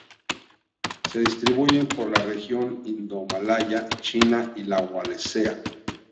Se distribuyen por la región indomalaya, China y la Wallacea.